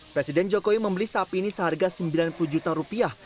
presiden jokowi membeli sapi ini seharga sembilan puluh juta rupiah